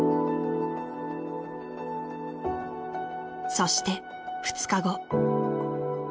［そして２日後］